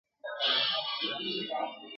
د پاچا تر اجازې وروسته وو تللی ..